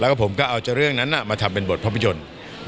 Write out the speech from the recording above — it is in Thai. แล้วก็ผมก็เอาจะเรื่องนั้นมาทำเป็นบทภาพยนตร์